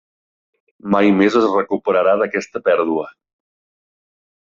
Mai més es recuperarà d’aquesta pèrdua.